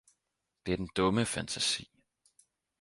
Det er den dumme fantasi